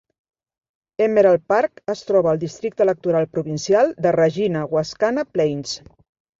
Emerald Park es troba al districte electoral provincial de Regina Wascana Plains.